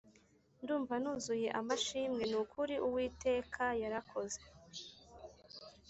ndumva nuzuye amashimwe nukuri uwiteka yarakoze